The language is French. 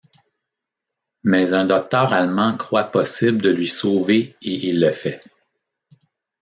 Mais un docteur allemand croit possible de lui sauver et il le fait.